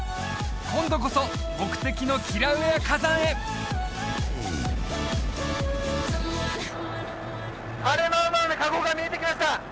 今度こそ目的のキラウエア火山へハレマウマウの火口が見えてきました